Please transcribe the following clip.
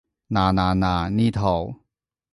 嗱嗱嗱，呢套